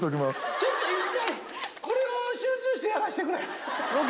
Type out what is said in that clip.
ちょっと一回、これを集中してやらせてくれ。